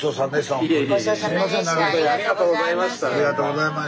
ありがとうございます。